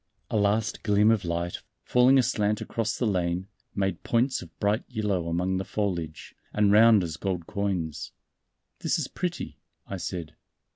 A last gleam of light, falling aslant across the lane, made points of bright yellow among the foliage, and round as gold coins. "This is pretty," I said.